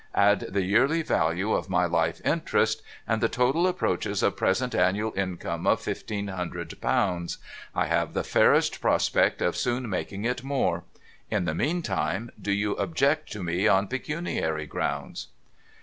Add the yearly value of my life interest — and the total reaches a present annual income of fifteen hundred pounds. I have the fairest prospect of soon making it more. In the meantime, do you object to me on pecuniary grounds